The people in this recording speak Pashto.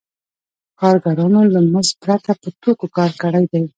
کارګرانو له مزد پرته په توکو کار کړی دی